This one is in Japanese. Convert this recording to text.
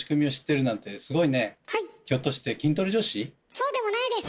そうでもないです！